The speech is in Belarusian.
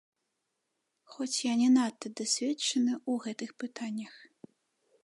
Хоць я не надта дасведчаны ў гэтых пытаннях.